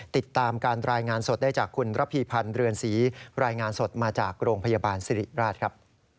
ติดตามการรายงานสดได้จากคุณระพีพันธ์เรือนศรีรายงานสดมาจากโรงพยาบาลสิริราชครับ